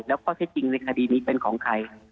แล้วข้อเท็จจริงในคดีนี้เป็นของใคร